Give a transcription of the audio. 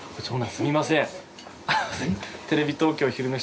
すみません